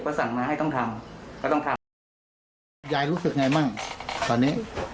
กินข้านักในผ่านบ่อมยังอี้